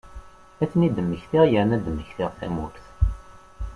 Ad ten-id-mmektiɣ, yerna ad d-mmektiɣ tamurt.